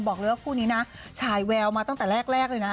บอกเลยว่าคู่นี้นะฉายแววมาตั้งแต่แรกเลยนะ